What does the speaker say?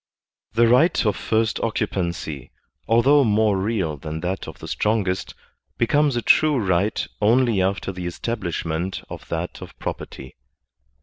The right of first occupancy, although more real than that of the strongest, becomes a true right only after the estab lishment of that of property.